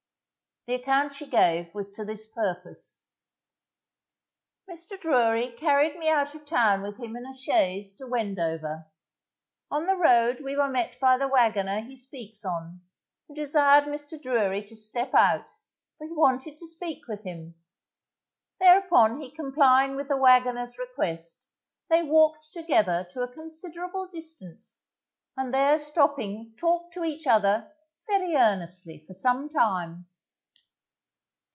The account she gave was to this purpose. _Mr. Drury carried me out of town with him in a chaise to Wendover. On the road we were met by the wagoner he speaks on, who desired Mr. Drury to step out, for he wanted to speak with him. Thereupon he complying with the wagoner's request, they walked together to a considerable distance, and there stopping talked to each other very earnestly for some time.